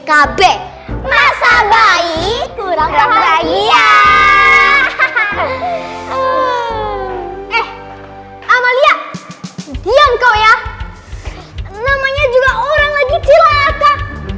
kurang lagi ya hahaha eh amalia diam kau ya namanya juga orang lagi cilaka